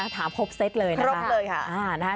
ถามครบเซตเลยนะคะ